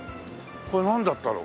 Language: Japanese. これなんだったろう？